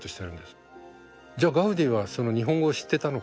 じゃあガウディはその日本語を知ってたのか？